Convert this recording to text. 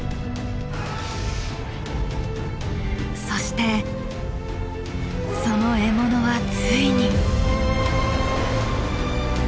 そしてその獲物はついに。